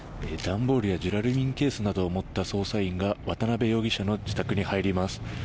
段ボールやジュラルミンケースなどを持った捜査員が渡辺容疑者の自宅に入ります。